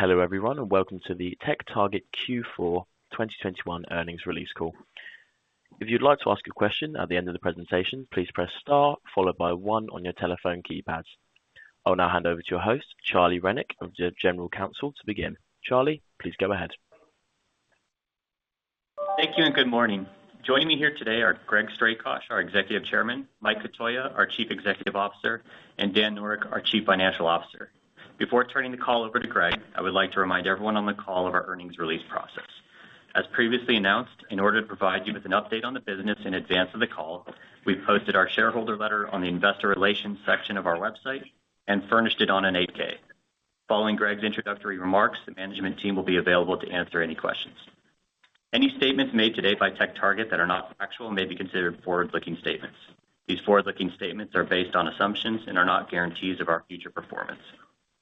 Hello everyone, welcome to the TechTarget Q4 2021 earnings release call. If you'd like to ask a question at the end of the presentation, please press star followed by one on your telephone keypad. I'll now hand over to your host, Charles Rennick, of the General Counsel to begin. Charlie, please go ahead. Thank you and good morning. Joining me here today are Greg Strakosch, our Executive Chairman, Mike Cotoia, our Chief Executive Officer, and Daniel Noreck, our Chief Financial Officer. Before turning the call over to Greg, I would like to remind everyone on the call of our earnings release process. As previously announced, in order to provide you with an update on the business in advance of the call, we posted our shareholder letter on the investor relations section of our website and furnished it on an 8-K. Following Greg's introductory remarks, the management team will be available to answer any questions. Any statements made today by TechTarget that are not factual may be considered forward-looking statements. These forward-looking statements are based on assumptions and are not guarantees of our future performance.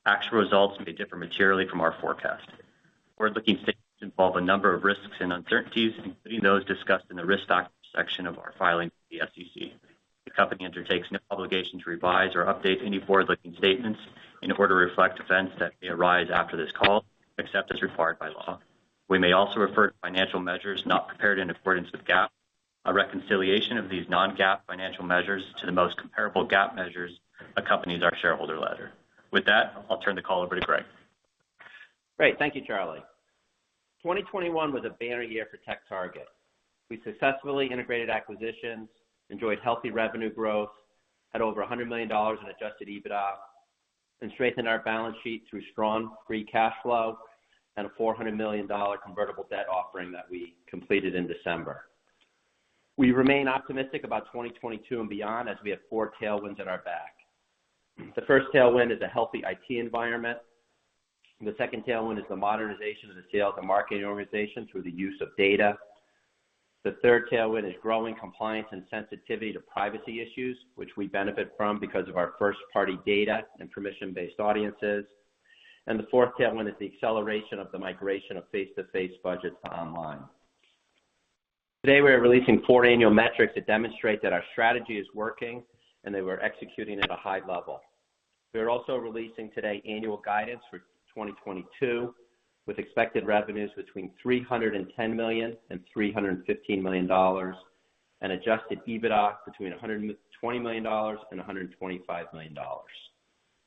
Actual results may differ materially from our forecast. Forward-looking statements involve a number of risks and uncertainties, including those discussed in the risk factor section of our filing with the SEC. The company undertakes no obligation to revise or update any forward-looking statements in order to reflect events that may arise after this call, except as required by law. We may also refer to financial measures not prepared in accordance with GAAP. A reconciliation of these non-GAAP financial measures to the most comparable GAAP measures accompanies our shareholder letter. With that, I'll turn the call over to Greg. Great. Thank you, Charlie. 2021 was a banner year for TechTarget. We successfully integrated acquisitions, enjoyed healthy revenue growth, had over $100 million in adjusted EBITDA, and strengthened our balance sheet through strong free cash flow and a $400 million convertible debt offering that we completed in December. We remain optimistic about 2022 and beyond as we have four tailwinds at our back. The first tailwind is a healthy IT environment. The second tailwind is the modernization of the sales and marketing organization through the use of data. The third tailwind is growing compliance and sensitivity to privacy issues, which we benefit from because of our first-party data and permission-based audiences. The fourth tailwind is the acceleration of the migration of face-to-face budgets to online. Today, we are releasing four annual metrics that demonstrate that our strategy is working and that we're executing at a high level. We are also releasing today annual guidance for 2022, with expected revenues between $310 million and $315 million, and adjusted EBITDA between $120 million and $125 million.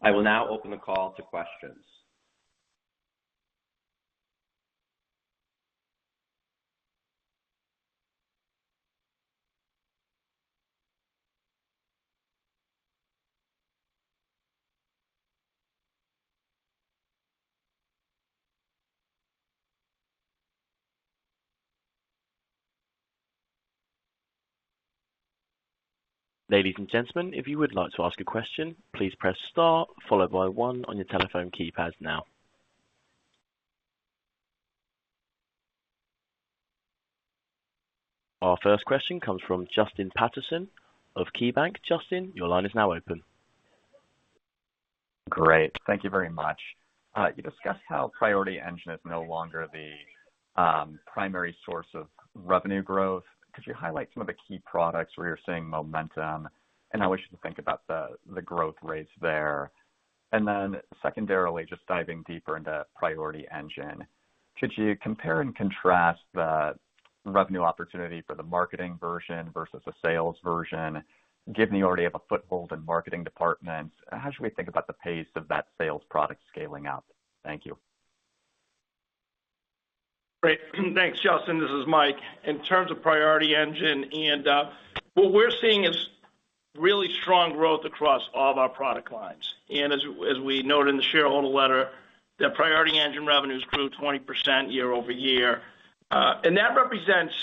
I will now open the call to questions. Our first question comes from Justin Patterson of KeyBanc Capital Markets. Justin, your line is now open. Great. Thank you very much. You discussed how Priority Engine is no longer the primary source of revenue growth. Could you highlight some of the key products where you're seeing momentum and how we should think about the growth rates there? Secondarily, just diving deeper into Priority Engine, could you compare and contrast the revenue opportunity for the marketing version versus a sales version? Given you already have a foothold in marketing departments, how should we think about the pace of that sales product scaling up? Thank you. Great. Thanks, Justin. This is Mike. In terms of Priority Engine and what we're seeing is really strong growth across all of our product lines. As we noted in the shareholder letter, the Priority Engine revenues grew 20% year-over-year. That represents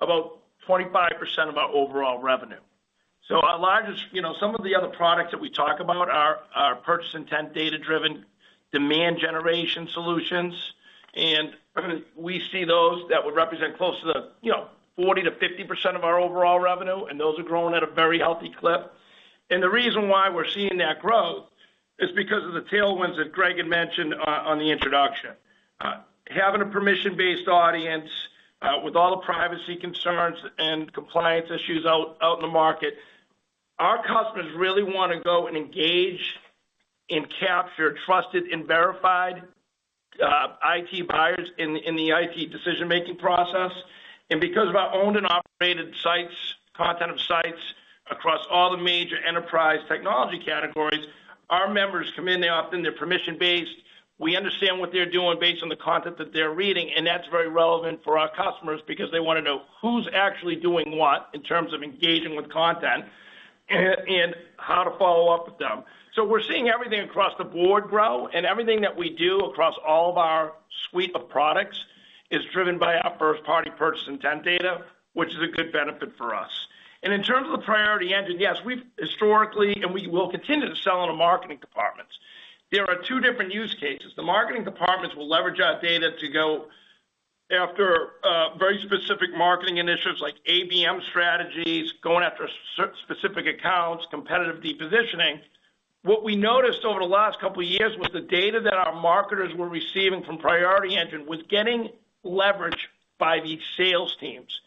about 25% of our overall revenue. Our largest, you know, some of the other products that we talk about are purchase intent, data-driven demand generation solutions. We see those that would represent close to the, you know, 40%-50% of our overall revenue, and those are growing at a very healthy clip. The reason why we're seeing that growth is because of the tailwinds that Greg had mentioned on the introduction. Having a permission-based audience, with all the privacy concerns and compliance issues out in the market, our customers really wanna go and engage and capture trusted and verified IT buyers in the IT decision-making process. Because of our owned and operated sites, content on sites across all the major enterprise technology categories, our members come in, they opt in, they're permission-based. We understand what they're doing based on the content that they're reading, and that's very relevant for our customers because they wanna know who's actually doing what in terms of engaging with content and how to follow up with them. We're seeing everything across the board grow, and everything that we do across all of our suite of products is driven by our first-party purchase intent data, which is a good benefit for us. In terms of the Priority Engine, yes, we've historically, and we will continue to sell to marketing departments. There are two different use cases. The marketing departments will leverage our data to go after very specific marketing initiatives like ABM strategies, going after specific accounts, competitive depositioning. What we noticed over the last couple of years was the data that our marketers were receiving from Priority Engine was getting leveraged by these sales teams.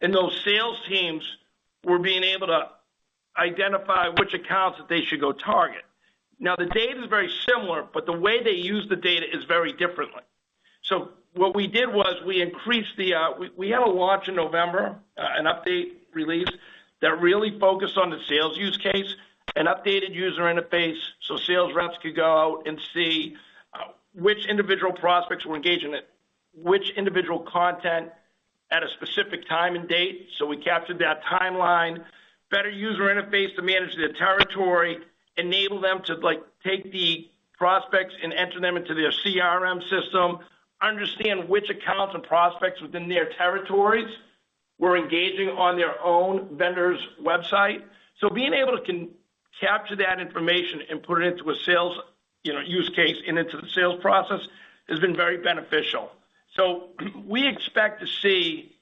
Those sales teams were being able to identify which accounts that they should go target. Now, the data is very similar, but the way they use the data is very differently. What we did was we increased the... We had a launch in November, an update release that really focused on the sales use case, an updated user interface, so sales reps could go out and see which individual prospects we're engaging with, which individual content at a specific time and date. We captured that timeline. Better user interface to manage their territory, enable them to, like, take the prospects and enter them into their CRM system, understand which accounts and prospects within their territories were engaging on their own vendor's website. Being able to capture that information and put it into a sales, you know, use case and into the sales process has been very beneficial. We expect to see,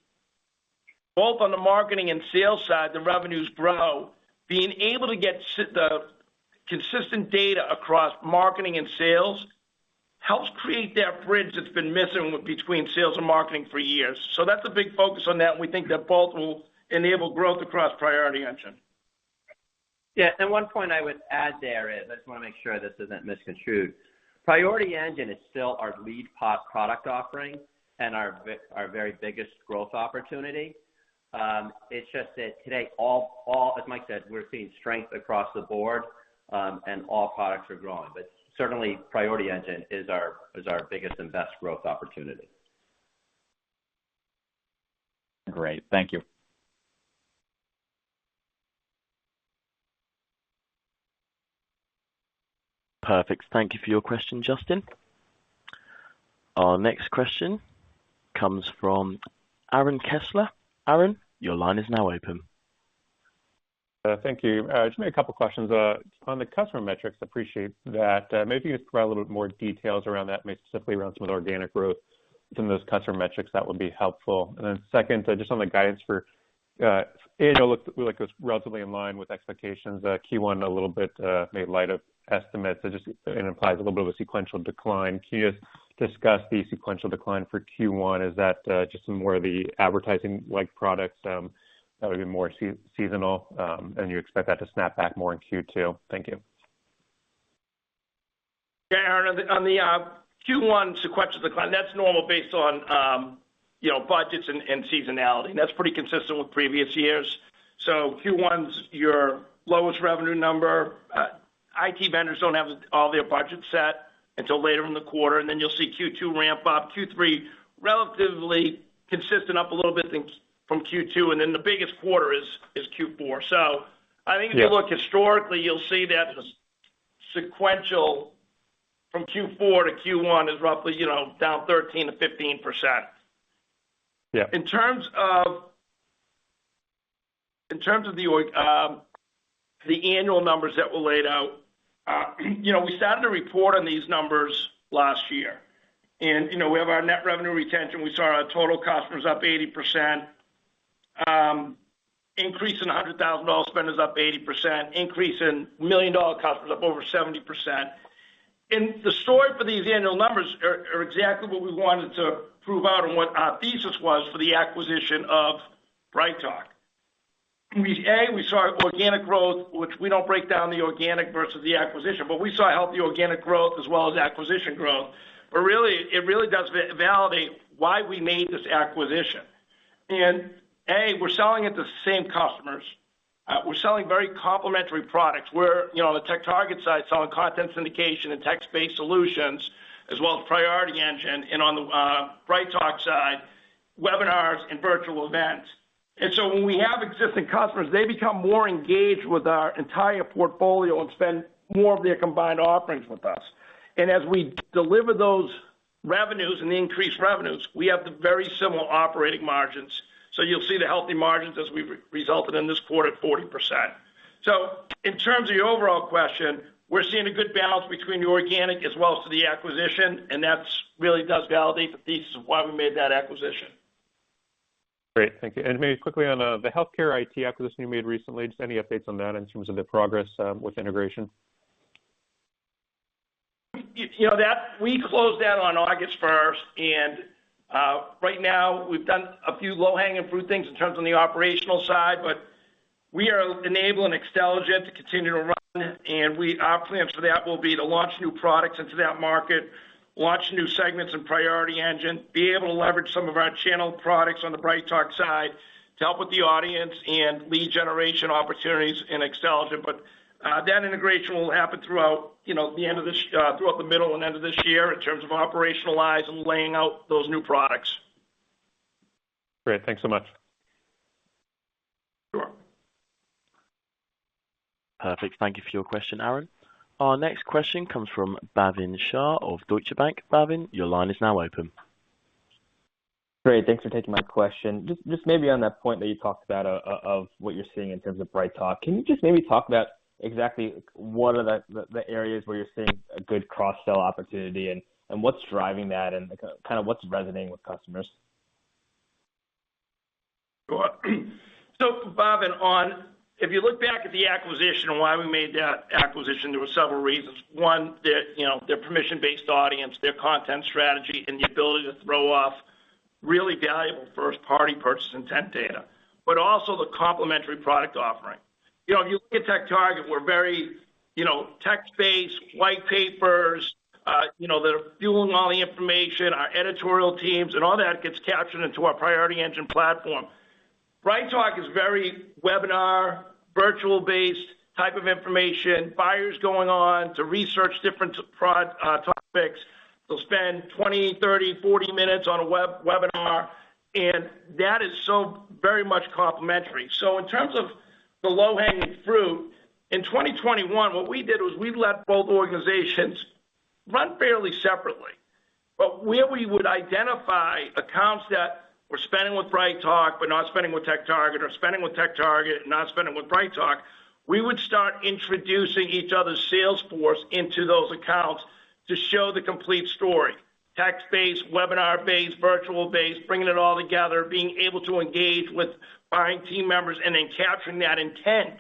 both on the marketing and sales side, the revenues grow. Being able to get the consistent data across marketing and sales helps create that bridge that's been missing between sales and marketing for years. That's a big focus on that, and we think that both will enable growth across Priority Engine. Yeah. One point I would add there is, I just wanna make sure this isn't misconstrued. Priority Engine is still our lead product offering and our very biggest growth opportunity. It's just that today all, as Mike said, we're seeing strength across the board, and all products are growing. Certainly, Priority Engine is our biggest and best growth opportunity. Great. Thank you. Perfect. Thank you for your question, Justin. Our next question comes from Aaron Kessler. Aaron, your line is now open. Thank you. Just maybe a couple questions. On the customer metrics, appreciate that. Maybe you could provide a little bit more details around that, maybe specifically around some of the organic growth from those customer metrics. That would be helpful. Second, just on the guidance for annual outlook like it was relatively in line with expectations. Q1 a little bit maybe light on estimates. And it implies a little bit of a sequential decline. Can you just discuss the sequential decline for Q1? Is that just some more of the advertising-like products that would be more seasonal, and you expect that to snap back more in Q2? Thank you. Yeah, Aaron. On the Q1 sequential decline, that's normal based on budgets and seasonality. That's pretty consistent with previous years. Q1's your lowest revenue number. IT vendors don't have all their budget set until later in the quarter, and then you'll see Q2 ramp up. Q3, relatively consistent, up a little bit from Q2, and then the biggest quarter is Q4. I think- Yeah. If you look historically, you'll see that the sequential from Q4 to Q1 is roughly, you know, down 13%-15%. Yeah. In terms of the annual numbers that were laid out, you know, we started to report on these numbers last year. You know, we have our net revenue retention. We saw our total customers up 80%. Increase in $100,000 spend is up 80%, increase in $1 million customers up over 70%. The story for these annual numbers are exactly what we wanted to prove out and what our thesis was for the acquisition of BrightTALK. We saw organic growth, which we don't break down the organic versus the acquisition, but we saw healthy organic growth as well as acquisition growth. Really, it really does validate why we made this acquisition. We're selling it to the same customers. We're selling very complementary products. You know, on the TechTarget side, selling content syndication and text-based solutions, as well as Priority Engine. On the BrightTALK side, webinars and virtual events. When we have existing customers, they become more engaged with our entire portfolio and spend more of their combined offerings with us. As we deliver those revenues and the increased revenues, we have the very similar operating margins. You'll see the healthy margins as we reported in this quarter at 40%. In terms of your overall question, we're seeing a good balance between the organic as well as the acquisition, and that really does validate the thesis of why we made that acquisition. Great. Thank you. Maybe quickly on the healthcare IT acquisition you made recently. Just any updates on that in terms of the progress with integration? We closed that on August 1st, and right now we've done a few low-hanging fruit things in terms of the operational side, but we are enabling Xtelligent to continue to run. Our plans for that will be to launch new products into that market, launch new segments in Priority Engine, be able to leverage some of our channel products on the BrightTALK side to help with the audience and lead generation opportunities in Xtelligent. That integration will happen throughout the middle and end of this year in terms of operationalize and laying out those new products. Great. Thanks so much. Sure. Perfect. Thank you for your question, Aaron. Our next question comes from Bhavin Shah of Deutsche Bank. Bhavin, your line is now open. Great. Thanks for taking my question. Just maybe on that point that you talked about of what you're seeing in terms of BrightTALK, can you just maybe talk about exactly what are the areas where you're seeing a good cross-sell opportunity, and what's driving that, and, like, kind of what's resonating with customers? Sure. Bhavin, if you look back at the acquisition and why we made that acquisition, there were several reasons. One, their, you know, their permission-based audience, their content strategy, and the ability to really valuable first-party purchase intent data, but also the complementary product offering. You know, if you look at TechTarget, we're very, you know, text-based, white papers, you know, that are fueling all the information, our editorial teams and all that gets captured into our Priority Engine platform. BrightTALK is very webinar, virtual-based type of information, buyers going on to research different product topics. They'll spend 20, 30, 40 minutes on a webinar, and that is so very much complementary. In terms of the low-hanging fruit, in 2021, what we did was we let both organizations run fairly separately. Where we would identify accounts that were spending with BrightTALK but not spending with TechTarget or spending with TechTarget and not spending with BrightTALK, we would start introducing each other's sales force into those accounts to show the complete story. Text-based, webinar-based, virtual-based, bringing it all together, being able to engage with buying team members and then capturing that intent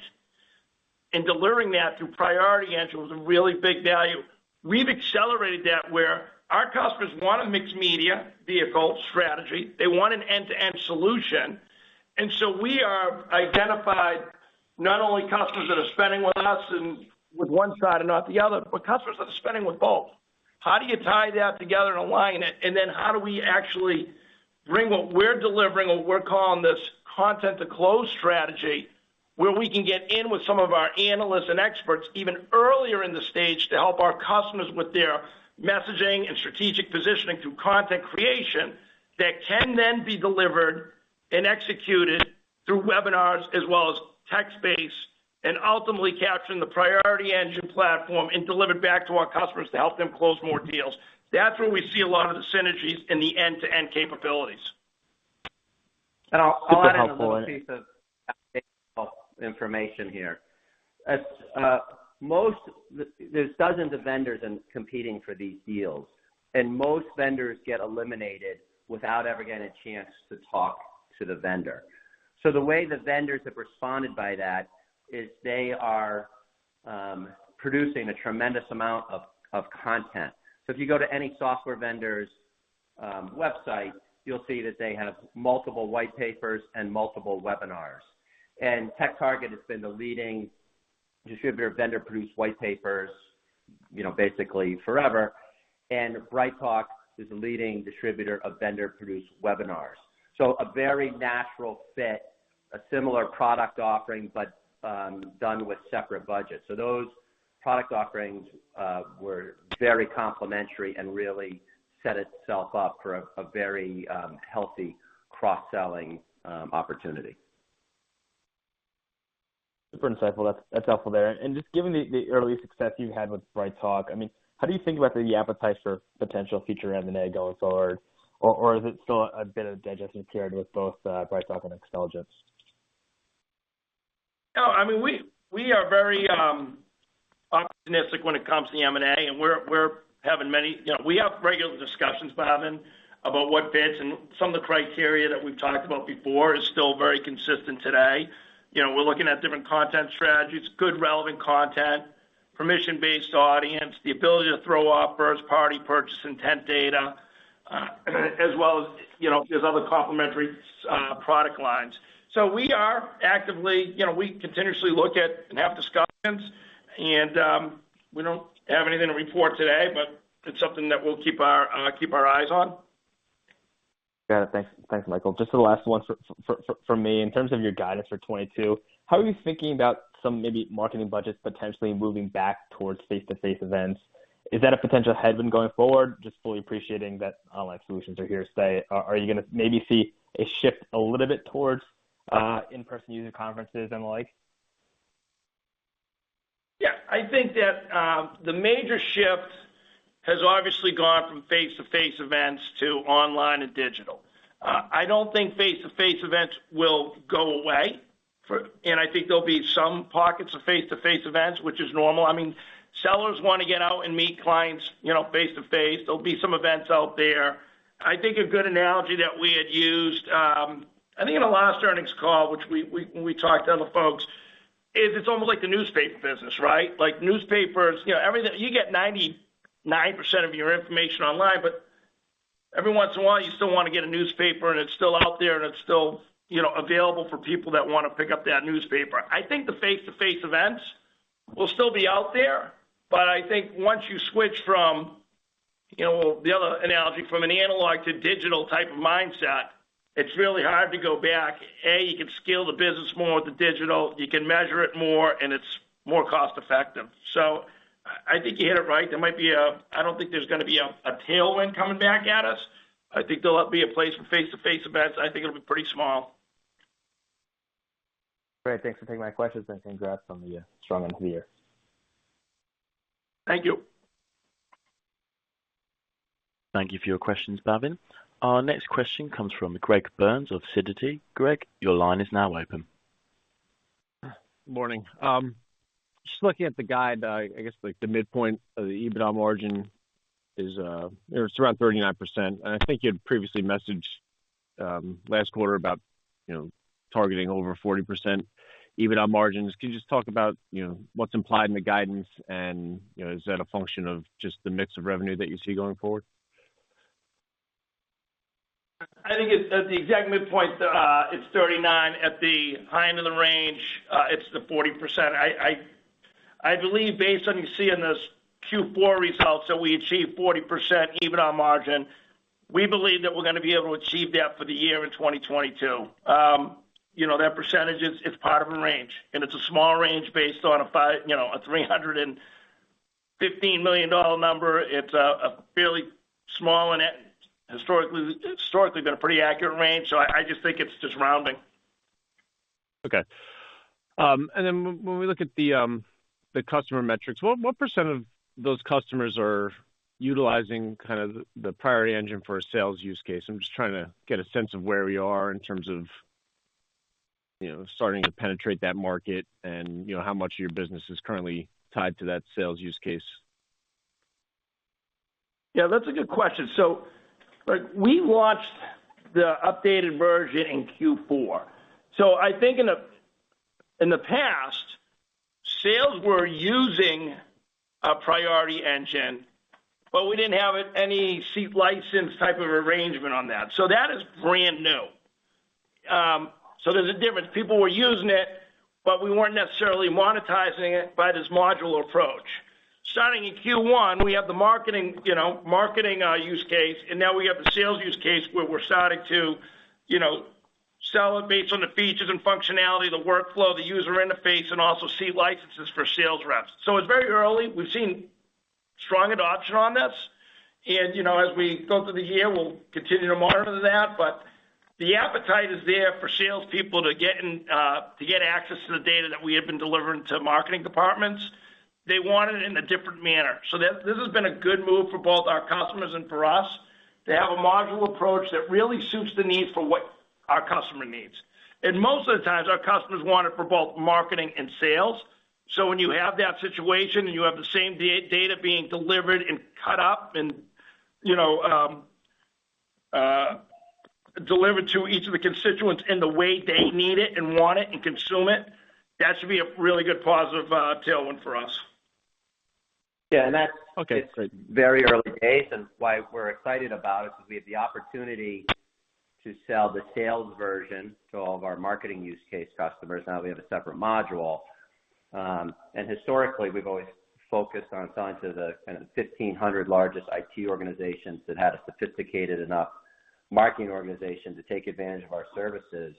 and delivering that through Priority Engine was a really big value. We've accelerated that where our customers want a mixed-media vehicle strategy. They want an end-to-end solution. We have identified not only customers that are spending with us and with one side and not the other, but customers that are spending with both. How do you tie that together and align it? How do we actually bring what we're delivering or we're calling this content to close strategy, where we can get in with some of our analysts and experts even earlier in the stage to help our customers with their messaging and strategic positioning through content creation that can then be delivered and executed through webinars as well as text-based and ultimately capturing the Priority Engine platform and deliver it back to our customers to help them close more deals. That's where we see a lot of the synergies in the end-to-end capabilities. I'll add a little piece of information here. There's dozens of vendors competing for these deals, and most vendors get eliminated without ever getting a chance to talk to the vendor. The way the vendors have responded to that is they are producing a tremendous amount of content. If you go to any software vendor's website, you'll see that they have multiple white papers and multiple webinars. TechTarget has been the leading distributor of vendor-produced white papers, you know, basically forever. BrightTALK is a leading distributor of vendor-produced webinars. It's a very natural fit, a similar product offering, but done with separate budgets. Those product offerings were very complementary and really set itself up for a very healthy cross-selling opportunity. Super insightful. That's helpful there. Just given the early success you've had with BrightTALK, I mean, how do you think about the appetite for potential future M&A going forward? Or is it still a bit to digest paired with both BrightTALK and Xtelligent? No, I mean, we are very optimistic when it comes to M&A. You know, we have regular discussions, Bhavin, about what fits and some of the criteria that we've talked about before is still very consistent today. You know, we're looking at different content strategies, good relevant content, permission-based audience, the ability to grow first-party purchase-intent data, as well as, you know, these other complementary product lines. You know, we continuously look at and have discussions, and we don't have anything to report today, but it's something that we'll keep our eyes on. Got it. Thanks, Mike. Just the last one from me. In terms of your guidance for 2022, how are you thinking about some maybe marketing budgets potentially moving back towards face-to-face events? Is that a potential headwind going forward? Just fully appreciating that online solutions are here to stay. Are you gonna maybe see a shift a little bit towards in-person user conferences and the like? Yeah. I think that the major shift has obviously gone from face-to-face events to online and digital. I don't think face-to-face events will go away. I think there'll be some pockets of face-to-face events, which is normal. I mean, sellers wanna get out and meet clients, you know, face-to-face. There'll be some events out there. I think a good analogy that we had used, I think in the last earnings call, which we when we talked to other folks, is it's almost like the newspaper business, right? Like newspapers, you know, every day you get 99% of your information online, but every once in a while, you still wanna get a newspaper, and it's still out there, and it's still, you know, available for people that wanna pick up that newspaper. I think the face-to-face events will still be out there. I think once you switch from, you know, the other analogy, from an analog to digital type of mindset, it's really hard to go back. You can scale the business more with the digital, you can measure it more, and it's more cost-effective. I think you hit it right. I don't think there's gonna be a tailwind coming back at us. I think there'll be a place for face-to-face events. I think it'll be pretty small. Great. Thanks for taking my questions and congrats on the strong end of the year. Thank you. Thank you for your questions, Bhavin. Our next question comes from Greg Burns of Sidoti. Greg, your line is now open. Morning. Just looking at the guide, I guess like the midpoint of the EBITDA margin is, it's around 39%. I think you had previously messaged last quarter about You know, targeting over 40% EBITDA margins. Can you just talk about, you know, what's implied in the guidance and, you know, is that a function of just the mix of revenue that you see going forward? I think it's at the exact midpoint, it's 39%. At the high end of the range, it's the 40%. I believe based on you seeing those Q4 results that we achieve 40% EBITDA margin, we believe that we're gonna be able to achieve that for the year in 2022. You know, that percentage is, it's part of a range, and it's a small range based on a $315 million number. It's a fairly small and it historically been a pretty accurate range. I just think it's just rounding. Okay. When we look at the customer metrics, what % of those customers are utilizing kind of the Priority Engine for a sales use case? I'm just trying to get a sense of where we are in terms of, you know, starting to penetrate that market and, you know, how much of your business is currently tied to that sales use case. Yeah, that's a good question. Look, we launched the updated version in Q4. I think in the past, sales were using a Priority Engine, but we didn't have it any seat license type of arrangement on that. That is brand new. There's a difference. People were using it, but we weren't necessarily monetizing it by this modular approach. Starting in Q1, we have the marketing, you know, use case, and now we have the sales use case where we're starting to, you know, sell it based on the features and functionality, the workflow, the user interface, and also seat licenses for sales reps. It's very early. We've seen strong adoption on this. You know, as we go through the year, we'll continue to monitor that. The appetite is there for sales people to get access to the data that we have been delivering to marketing departments. They want it in a different manner. This has been a good move for both our customers and for us to have a modular approach that really suits the need for what our customer needs. Most of the times, our customers want it for both marketing and sales. When you have that situation, and you have the same data being delivered and cut up and, you know, delivered to each of the constituents in the way they need it and want it and consume it, that should be a really good positive tailwind for us. Yeah. Okay, great. Very early days, why we're excited about it is because we have the opportunity to sell the sales version to all of our marketing use case customers now that we have a separate module. Historically, we've always focused on selling to the kind of 1,500 largest IT organizations that had a sophisticated enough marketing organization to take advantage of our services.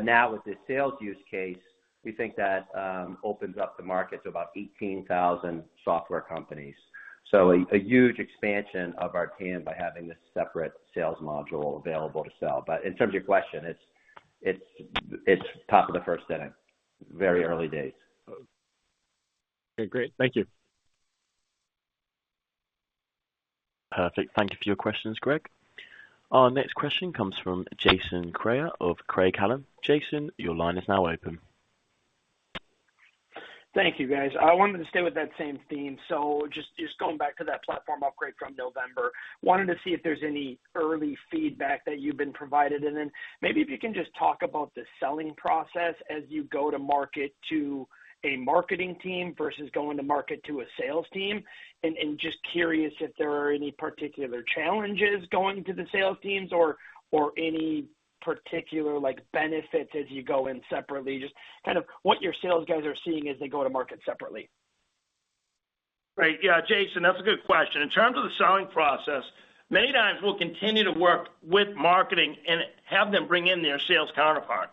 Now with the sales use case, we think that opens up the market to about 18,000 software companies. A huge expansion of our TAM by having this separate sales module available to sell. In terms of your question, it's top of the first inning, very early days. Okay, great. Thank you. Perfect. Thank you for your questions, Greg. Our next question comes from Jason Kreyer of Craig-Hallum. Jason, your line is now open. Thank you, guys. I wanted to stay with that same theme. Just going back to that platform upgrade from November, wanted to see if there's any early feedback that you've been provided. Maybe if you can just talk about the selling process as you go to market to a marketing team versus going to market to a sales team. Just curious if there are any particular challenges going to the sales teams or any particular, like, benefits as you go in separately. Just kind of what your sales guys are seeing as they go to market separately. Right. Yeah, Jason, that's a good question. In terms of the selling process, many times we'll continue to work with marketing and have them bring in their sales counterpart.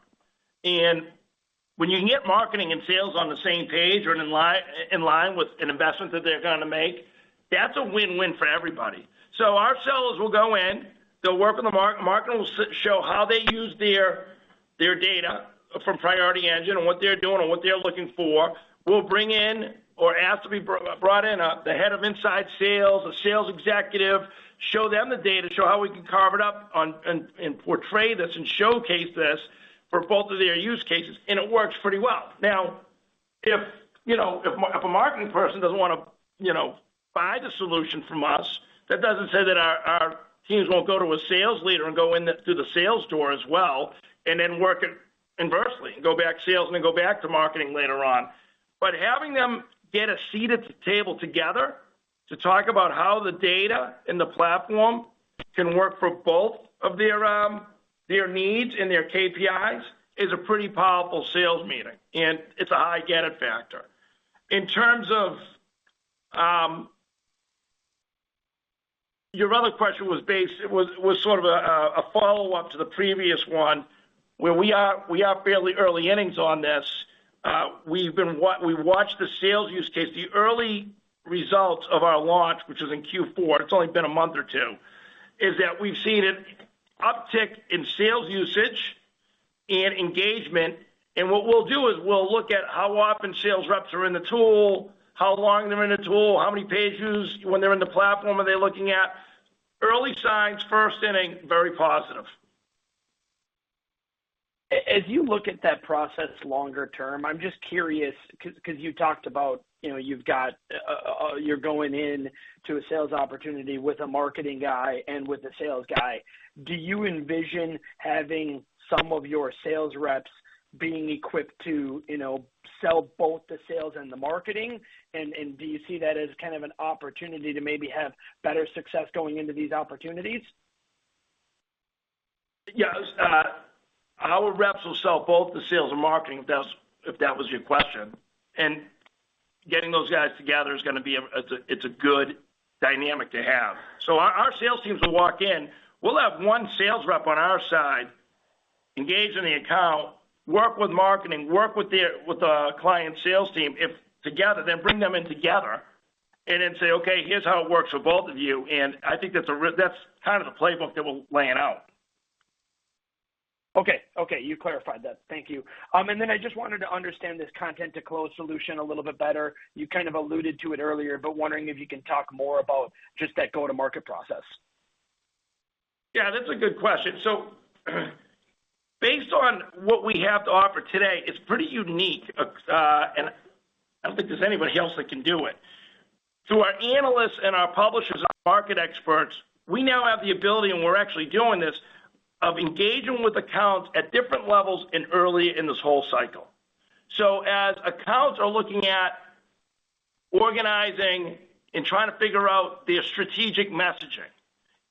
When you can get marketing and sales on the same page or in line with an investment that they're gonna make, that's a win-win for everybody. Our sellers will go in, they'll work with the marketing, we'll show how they use their data from Priority Engine and what they're doing and what they're looking for. We'll bring in or ask to be brought in the head of inside sales, a sales executive, show them the data, show how we can carve it up and portray this and showcase this for both of their use cases, and it works pretty well. Now, if a marketing person doesn't wanna buy the solution from us, that doesn't say that our teams won't go to a sales leader and go in through the sales door as well and then work it inversely, and go back to sales, and then go back to marketing later on. Having them get a seat at the table together to talk about how the data and the platform can work for both of their needs and their KPIs is a pretty powerful sales meeting, and it's a high get it factor. In terms of your other question was based was sort of a follow-up to the previous one where we are fairly early innings on this. We've watched the sales use case. The early results of our launch, which was in Q4, it's only been a month or two, is that we've seen an uptick in sales usage and engagement. What we'll do is we'll look at how often sales reps are in the tool, how long they're in the tool, how many pages when they're in the platform are they looking at. Early signs, first inning, very positive. As you look at that process longer term, I'm just curious 'cause you talked about, you know, you've got, you're going in to a sales opportunity with a marketing guy and with a sales guy. Do you envision having some of your sales reps being equipped to, you know, sell both the sales and the marketing? Do you see that as kind of an opportunity to maybe have better success going into these opportunities? Yes. Our reps will sell both the sales and marketing, if that was your question. Getting those guys together is gonna be—it's a good dynamic to have. Our sales teams will walk in. We'll have one sales rep on our side engage in the account, work with marketing, work with the client sales team if together, then bring them in together and then say, "Okay, here's how it works for both of you." I think that's kind of the playbook that we're laying out. Okay. Okay, you clarified that. Thank you. I just wanted to understand this content to close solution a little bit better. You kind of alluded to it earlier, but wondering if you can talk more about just that go-to-market process. Yeah, that's a good question. Based on what we have to offer today, it's pretty unique. I don't think there's anybody else that can do it. Through our analysts and our publishers and market experts, we now have the ability, and we're actually doing this, of engaging with accounts at different levels and early in this whole cycle. As accounts are looking at organizing and trying to figure out their strategic messaging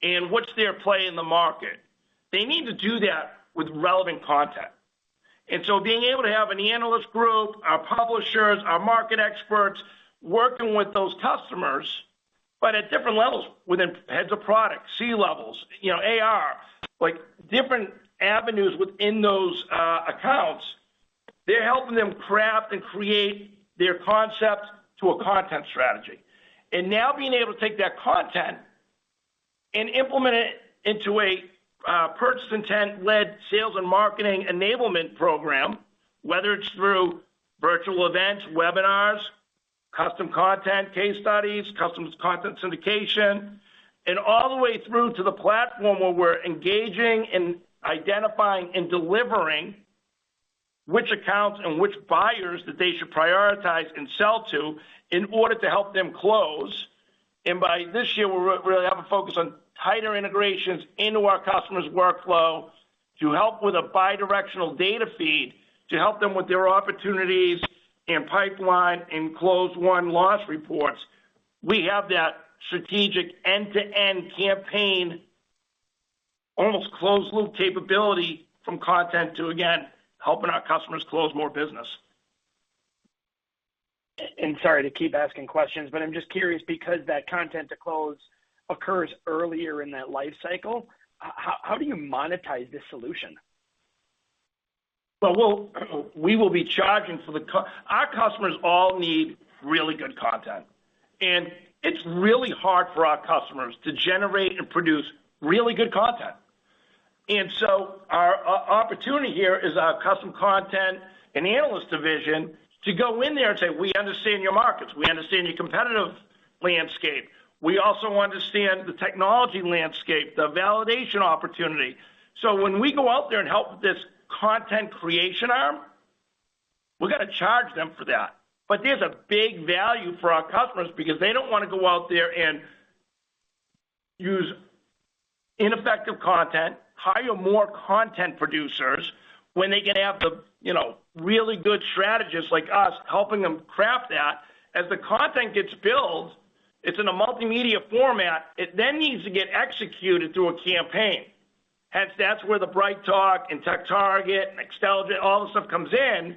and what's their play in the market, they need to do that with relevant content. Being able to have an analyst group, our publishers, our market experts, working with those customers, but at different levels, within heads of product, C-levels, you know, AR, like different avenues within those accounts, they're helping them craft and create their concept to a content strategy. Now being able to take that content and implement it into a purchase intent-led sales and marketing enablement program, whether it's through virtual events, webinars, custom content, case studies, customer content syndication, and all the way through to the platform where we're engaging and identifying and delivering which accounts and which buyers that they should prioritize and sell to in order to help them close. By this year, we're really having a focus on tighter integrations into our customers' workflow to help with a bi-directional data feed, to help them with their opportunities and pipeline and closed-won/loss reports. We have that strategic end-to-end campaign, almost closed loop capability from content to, again, helping our customers close more business. Sorry to keep asking questions, but I'm just curious because that content to close occurs earlier in that life cycle, how do you monetize this solution? Our customers all need really good content, and it's really hard for our customers to generate and produce really good content. Our opportunity here is our custom content and analyst division to go in there and say, "We understand your markets. We understand your competitive landscape. We also understand the technology landscape, the validation opportunity." When we go out there and help with this content creation arm, we're gonna charge them for that. There's a big value for our customers because they don't wanna go out there and use ineffective content, hire more content producers when they can have the, you know, really good strategists like us helping them craft that. As the content gets built, it's in a multimedia format. It then needs to get executed through a campaign. Hence that's where the BrightTALK and TechTarget and Xtelligent, all that stuff comes in,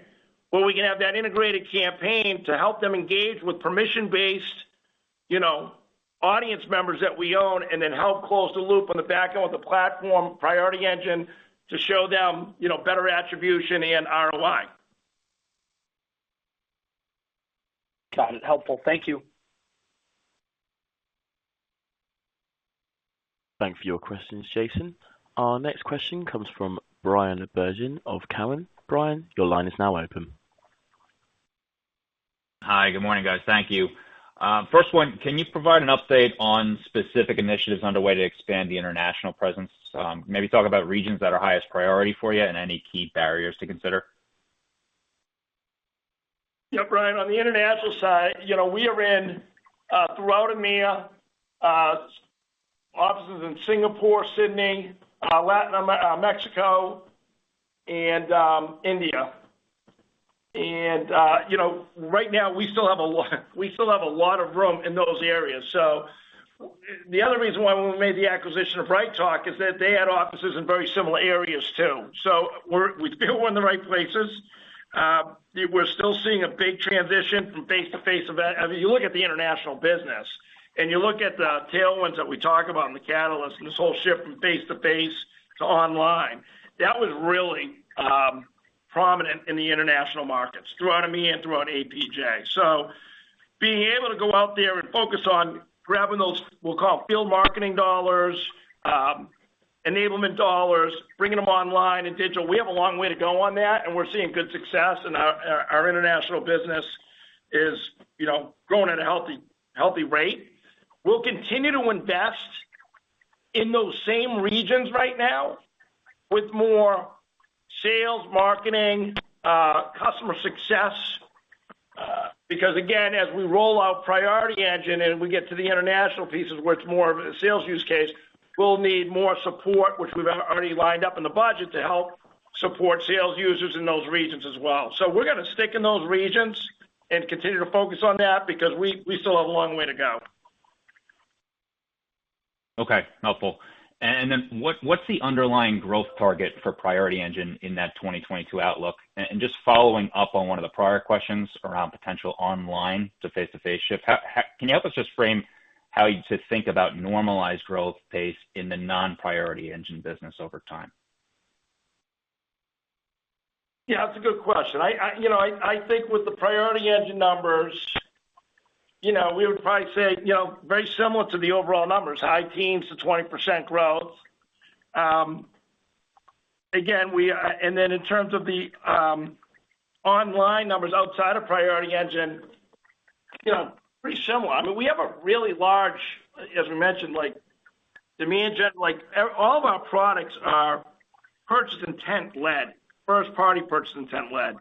where we can have that integrated campaign to help them engage with permission-based, you know, audience members that we own, and then help close the loop on the back end with the platform Priority Engine to show them, you know, better attribution and ROI. Got it. Helpful. Thank you. Thanks for your questions, Jason. Our next question comes from Bryan Bergin of Cowen. Bryan, your line is now open. Hi. Good morning, guys. Thank you. First one, can you provide an update on specific initiatives underway to expand the international presence? Maybe talk about regions that are highest priority for you and any key barriers to consider. Yeah, Bryan, on the international side, you know, we are in throughout EMEA, offices in Singapore, Sydney, Latin America, Mexico and India. You know, right now, we still have a lot of room in those areas. The other reason why we made the acquisition of BrightTALK is that they had offices in very similar areas, too. We feel we're in the right places. We're still seeing a big transition from face-to-face event. I mean, you look at the international business, and you look at the tailwinds that we talk about in the catalyst and this whole shift from face-to-face to online, that was really prominent in the international markets, throughout EMEA and throughout APJ. Being able to go out there and focus on grabbing those, we'll call field marketing dollars, enablement dollars, bringing them online and digital, we have a long way to go on that, and we're seeing good success, and our international business is, you know, growing at a healthy rate. We'll continue to invest in those same regions right now with more sales, marketing, customer success. Because again, as we roll out Priority Engine and we get to the international pieces where it's more of a sales use case, we'll need more support, which we've already lined up in the budget to help support sales users in those regions as well. We're gonna stick in those regions and continue to focus on that because we still have a long way to go. Okay, helpful. What’s the underlying growth target for Priority Engine in that 2022 outlook? Just following up on one of the prior questions around potential online to face-to-face shift, how can you help us just frame how to think about normalized growth pace in the non-Priority Engine business over time? Yeah, that's a good question. I, you know, I think with the Priority Engine numbers, you know, we would probably say, you know, very similar to the overall numbers, high teens to 20% growth. Again, in terms of the online numbers outside of Priority Engine, you know, pretty similar. I mean, we have a really large, as we mentioned, like demand gen, like all of our products are purchase intent led, first-party purchase intent led.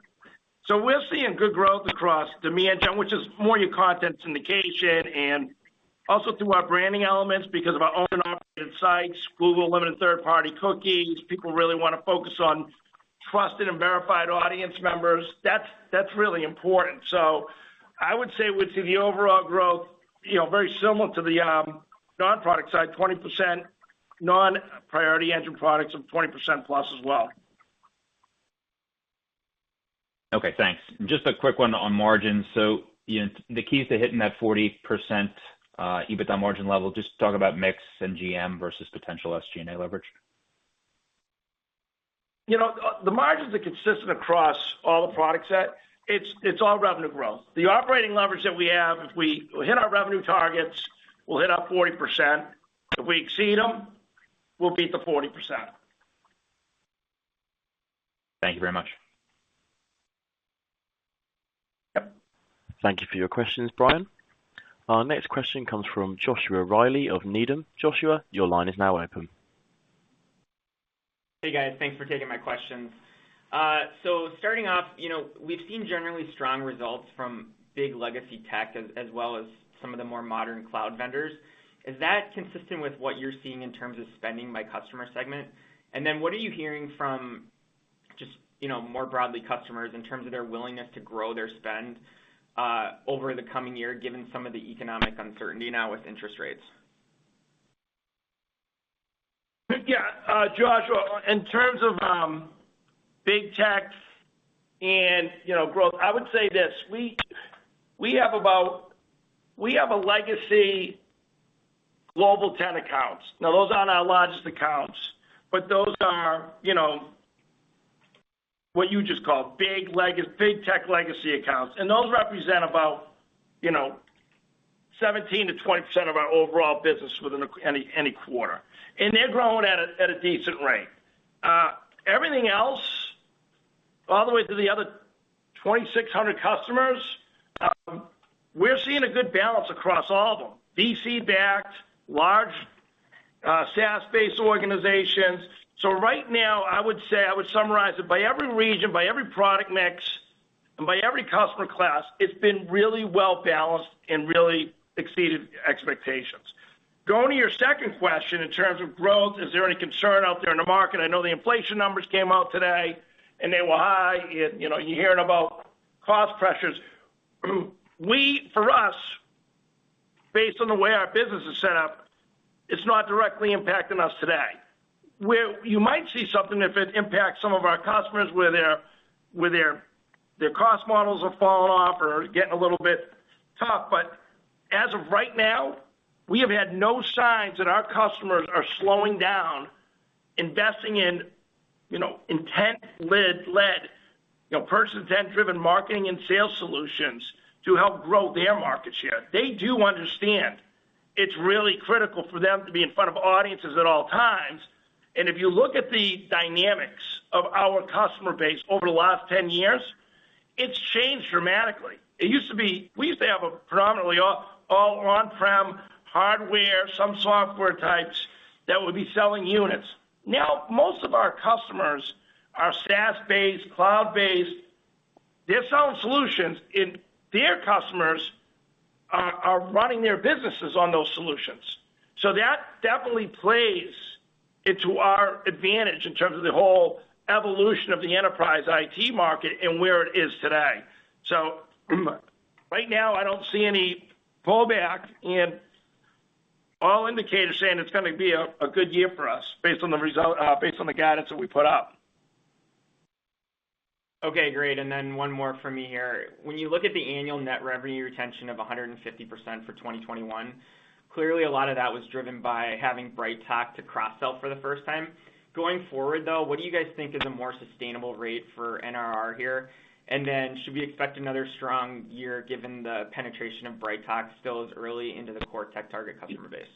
We're seeing good growth across demand gen, which is more your content syndication and also through our branding elements because of our owned and operated sites, Google limiting third-party cookies. People really want to focus on trusted and verified audience members. That's really important. I would say we'd see the overall growth, you know, very similar to the non-product side, 20%, non-Priority Engine products of 20%+ as well. Okay, thanks. Just a quick one on margin. The keys to hitting that 40% EBITDA margin level, just talk about mix and GM versus potential SG&A leverage. You know, the margins are consistent across all the product set. It's all revenue growth. The operating leverage that we have, if we hit our revenue targets, we'll hit our 40%. If we exceed them, we'll beat the 40%. Thank you very much. Yep. Thank you for your questions, Bryan. Our next question comes from Joshua Reilly of Needham. Joshua, your line is now open. Hey, guys. Thanks for taking my questions. Starting off, you know, we've seen generally strong results from big legacy tech as well as some of the more modern cloud vendors. Is that consistent with what you're seeing in terms of spending by customer segment? Then what are you hearing from just, you know, more broadly, customers in terms of their willingness to grow their spend over the coming year, given some of the economic uncertainty now with interest rates? Yeah, Joshua, in terms of big tech and, you know, growth, I would say this, we have a legacy global 10 accounts. Now, those aren't our largest accounts, but those are, you know, what you just call big tech legacy accounts. Those represent about, you know, 17%-20% of our overall business within any quarter, and they're growing at a decent rate. Everything else, all the way to the other 2,600 customers, we're seeing a good balance across all of them, VC-backed, large, SaaS-based organizations. Right now, I would say I would summarize it by every region, by every product mix, and by every customer class, it's been really well balanced and really exceeded expectations. Going to your second question, in terms of growth, is there any concern out there in the market? I know the inflation numbers came out today, and they were high. You know, you're hearing about cost pressures. For us, based on the way our business is set up, it's not directly impacting us today. Where you might see something if it impacts some of our customers where their cost models have fallen off or are getting a little bit tough. But as of right now, we have had no signs that our customers are slowing down investing in, you know, intent-led, you know, purchase intent-driven marketing and sales solutions to help grow their market share. They do understand it's really critical for them to be in front of audiences at all times. If you look at the dynamics of our customer base over the last 10 years, it's changed dramatically. We used to have a predominantly all on-prem hardware, some software types that would be selling units. Now, most of our customers are SaaS-based, cloud-based. They're selling solutions, and their customers are running their businesses on those solutions. That definitely plays into our advantage in terms of the whole evolution of the enterprise IT market and where it is today. Right now, I don't see any pullback, and all indicators saying it's gonna be a good year for us based on the guidance that we put out. Okay, great. One more for me here. When you look at the annual net revenue retention of 150% for 2021, clearly a lot of that was driven by having BrightTALK to cross-sell for the first time. Going forward, though, what do you guys think is a more sustainable rate for NRR here? Should we expect another strong year given the penetration of BrightTALK still is early into the core TechTarget customer base?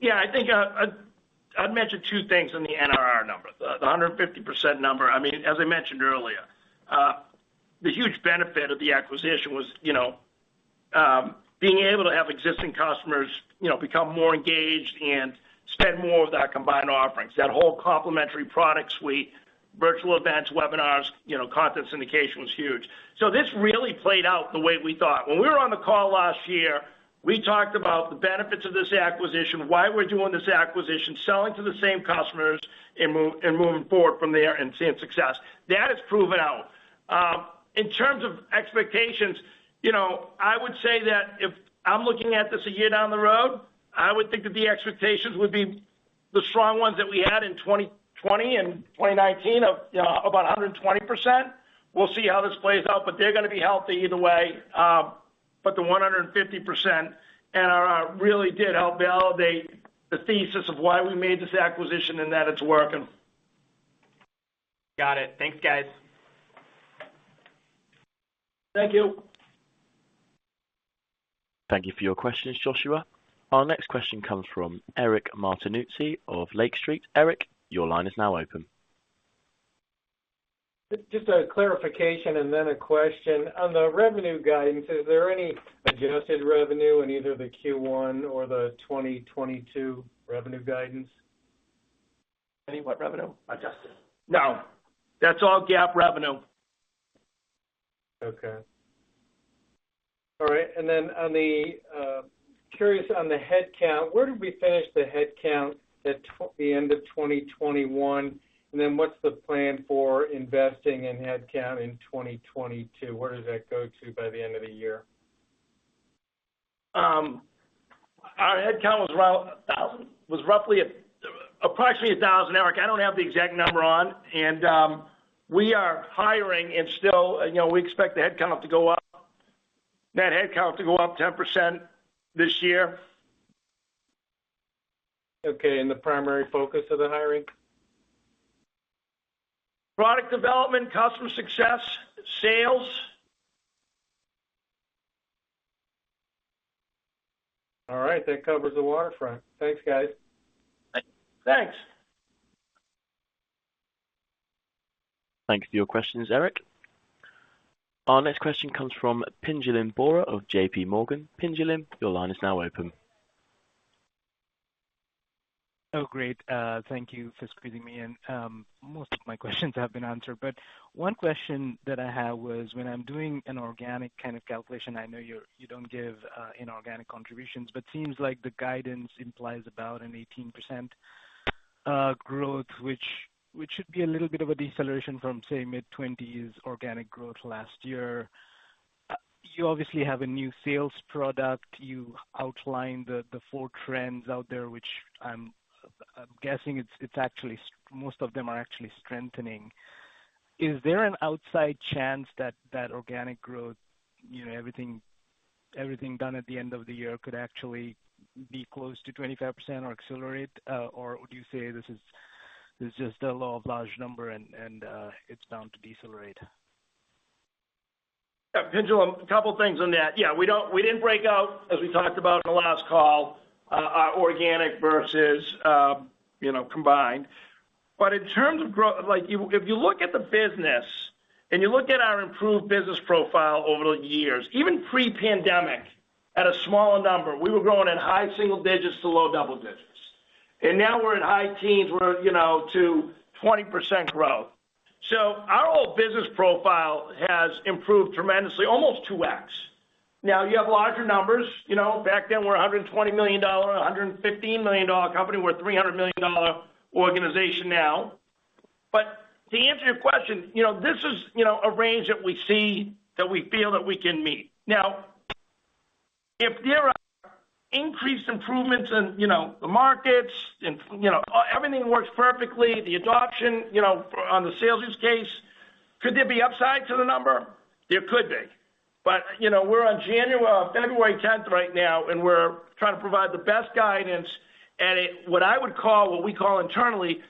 Yeah, I think I'd mention two things on the NRR number, the 150% number. I mean, as I mentioned earlier, the huge benefit of the acquisition was, you know, being able to have existing customers, you know, become more engaged and spend more with our combined offerings. That whole complementary product suite, virtual events, webinars, you know, content syndication was huge. This really played out the way we thought. When we were on the call last year, we talked about the benefits of this acquisition, why we're doing this acquisition, selling to the same customers and moving forward from there and seeing success. That has proven out. In terms of expectations, you know, I would say that if I'm looking at this a year down the road, I would think that the expectations would be the strong ones that we had in 2020 and 2019 of, you know, about 120%. We'll see how this plays out, but they're gonna be healthy either way. The 150% NRR did help validate the thesis of why we made this acquisition and that it's working. Got it. Thanks, guys. Thank you. Thank you for your questions, Joshua. Our next question comes from Eric Martinuzzi of Lake Street. Eric, your line is now open. Just a clarification and then a question. On the revenue guidance, is there any adjusted revenue in either the Q1 or the 2022 revenue guidance? Any what revenue? Adjusted. No, that's all GAAP revenue. Okay. All right. On the curious on the headcount, where did we finish the headcount at the end of 2021? What's the plan for investing in headcount in 2022? Where does that go to by the end of the year? Our headcount was around 1,000. Approximately 1,000, Eric. I don't have the exact number on, and we are still hiring, you know, we expect the headcount to go up. Net headcount to go up 10% this year. Okay. The primary focus of the hiring? Product development, customer success, sales. All right. That covers the waterfront. Thanks, guys. Thanks. Thank you for your questions, Eric. Our next question comes from Pinjalim Bora of JPMorgan. Pinjalim, your line is now open. Oh, great. Thank you for squeezing me in. Most of my questions have been answered, but one question that I had was when I'm doing an organic kind of calculation, I know you don't give inorganic contributions, but it seems like the guidance implies about an 18% growth, which should be a little bit of a deceleration from, say, mid-20s organic growth last year. You obviously have a new sales product. You outlined the four trends out there, which I'm guessing most of them are actually strengthening. Is there an outside chance that that organic growth, you know, everything done at the end of the year could actually be close to 25% or accelerate? Would you say this is just a large number and it's bound to decelerate? Yeah. Pinjalim, a couple things on that. Yeah. We didn't break out as we talked about in the last call, our organic versus, you know, combined. In terms of growth, if you look at the business and you look at our improved business profile over the years, even pre-pandemic, at a smaller number, we were growing in high single digits to low double digits. Now we're in high teens, you know, to 20% growth. Our whole business profile has improved tremendously, almost 2x. Now, you have larger numbers, you know, back then we're $120 million, $115 million company, we're $300 million organization now. To answer your question, you know, this is, you know, a range that we see that we feel that we can meet. Now, if there are increased improvements in, you know, the markets and, you know, everything works perfectly, the adoption, you know, on the sales use case, could there be upside to the number? There could be. You know, we're on January or February 10th right now, and we're trying to provide the best guidance at a, what I would call, what we call internally,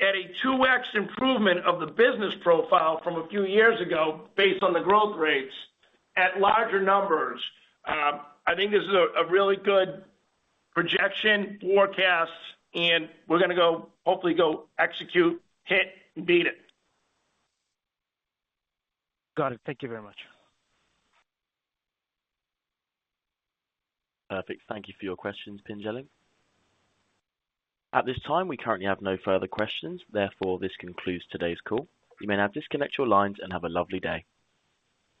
at a 2x improvement of the business profile from a few years ago based on the growth rates at larger numbers. I think this is a really good projection forecast, and we're gonna hopefully go execute, hit, beat it. Got it. Thank you very much. Perfect. Thank you for your questions, Pinjalim. At this time, we currently have no further questions. Therefore, this concludes today's call. You may now disconnect your lines and have a lovely day.